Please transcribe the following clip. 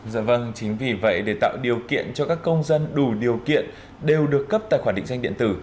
dạ vâng chính vì vậy để tạo điều kiện cho các công dân đủ điều kiện đều được cấp tài khoản định danh điện tử